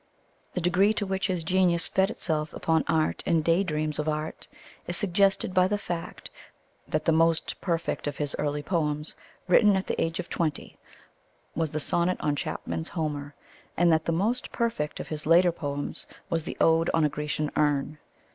The degree to which his genius fed itself upon art and day dreams of art is suggested by the fact that the most perfect of his early poems, written at the age of twenty, was the sonnet on Chapman's Homer, and that the most perfect of his later poems was the Ode on a Grecian Urn.